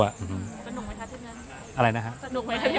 สนุกไหมท่าเทียบนั้นอะไรนะฮะสนุกไหมท่าเทียบนั้น